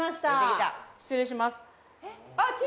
失礼します。